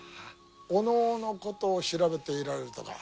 お能のことを調べていられるとか？